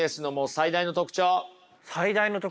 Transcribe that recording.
最大の特徴？